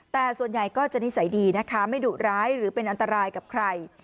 แต่ส่วนใหญ่ก็จะนิสัยดีนะคะไม่ดุร้ายหรือเป็นอันตรายกับใคร